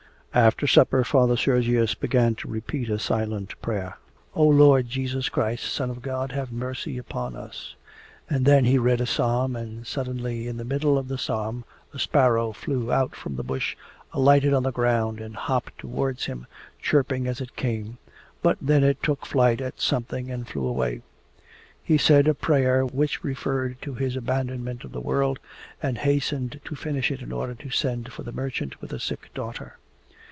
After supper Father Sergius began to repeat a silent prayer: 'O Lord Jesus Christ, Son of God, have mercy upon us!' and then he read a psalm, and suddenly in the middle of the psalm a sparrow flew out from the bush, alighted on the ground, and hopped towards him chirping as it came, but then it took fright at something and flew away. He said a prayer which referred to his abandonment of the world, and hastened to finish it in order to send for the merchant with the sick daughter.